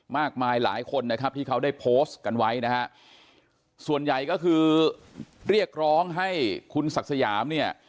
มากมายหลายคนนะครับที่เขาได้โพสต์กันไว้นะฮะส่วนใหญ่ก็คือเรียกร้องให้คุณศักดิ์สยามเนี่ย